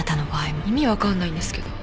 意味分かんないんですけど。